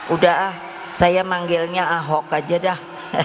udah ah saya manggilnya ahok aja dah